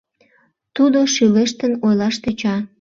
Тудо шӱлештын ойлаш тӧча: